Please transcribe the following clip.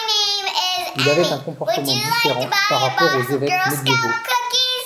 Il avait un comportement différent par rapport aux évêques médiévaux.